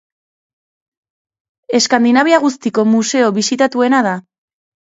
Eskandinavia guztiko museo bisitatuena da.